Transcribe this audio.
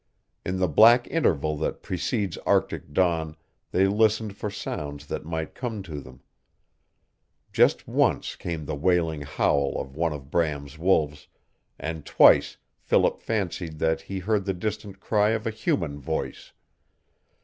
In the black interval that precedes Arctic dawn they listened for sounds that might come to them. Just once came the wailing howl of one of Bram's wolves, and twice Philip fancied that he heard the distant cry of a human voice.